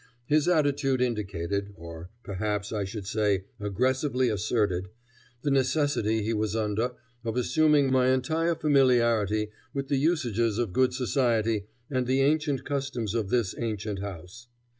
His attitude indicated, or perhaps I should say aggressively asserted, the necessity he was under of assuming my entire familiarity with the usages of good society and the ancient customs of this ancient house.